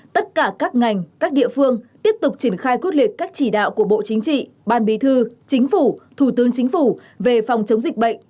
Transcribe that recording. tất cả các ngành các địa phương tiếp tục triển khai quyết liệt các chỉ đạo của bộ chính trị ban bí thư chính phủ thủ tướng chính phủ về phòng chống dịch bệnh